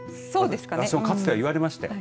私もかつては言われましたね。